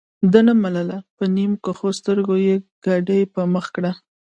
ده نه منله په نیم کښو سترګو یې ګاډۍ مخ کړه.